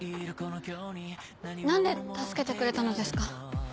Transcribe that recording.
何で助けてくれたのですか？